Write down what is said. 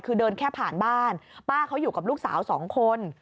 คือเดินแค่ผ่านบ้านป้าเขาอยู่กับลูกสาวสองคน